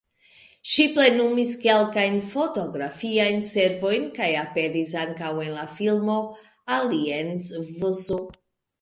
Ŝi plenumis kelkajn fotografiajn servojn kaj aperis ankaŭ en la filmo "Alien vs.